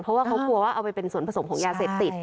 เพราะว่าเขากลัวว่าเอาไปเป็นส่วนผสมของยาเสพติด